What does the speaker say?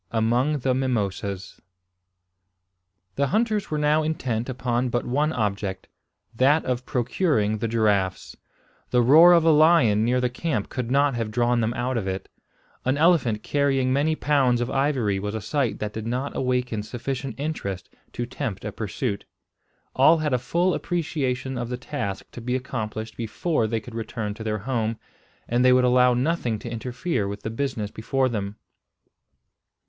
AMONG THE MIMOSAS. The hunters were now intent upon but one object, that of procuring the giraffes. The roar of a lion near the camp could not have drawn them out of it. An elephant carrying many pounds of ivory was a sight that did not awaken sufficient interest to tempt a pursuit. All had a full appreciation of the task to be accomplished before they could return to their home, and they would allow nothing to interfere with the business before them.